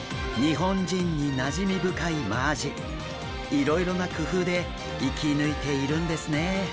いろいろな工夫で生き抜いているんですね。